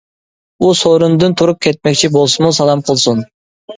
ئۇ سورۇندىن تۇرۇپ كەتمەكچى بولسىمۇ سالام قىلسۇن.